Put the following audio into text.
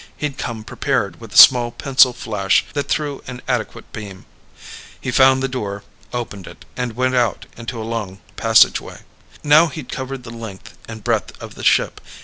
He'd come prepared with a small pencil flash that threw an adequate beam. He found the door, opened it and went out into a long passageway.... Now he'd covered the length and breadth of the ship.